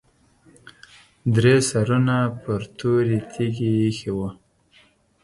درې سرونه پر تورې تیږې ایښي وو.